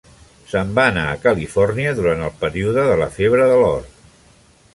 Se'n va anar a Califòrnia durant el període de la febre de l'or.